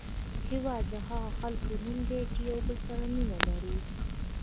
هېواد د هغو خلکو نوم دی چې یو بل سره مینه لري.